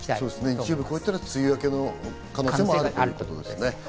日曜日を超えたら梅雨明けの可能性もあるということですね。